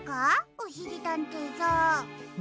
おしりたんていさん。